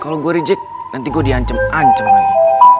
kalau gue reject nanti gue di ancam ancam lagi